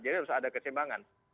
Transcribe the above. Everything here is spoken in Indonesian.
jadi harus ada kesimbangan